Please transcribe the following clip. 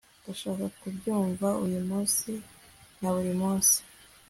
ndashaka kubyumva uyu munsi na buri munsi